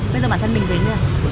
bây giờ bản thân bình tĩnh chưa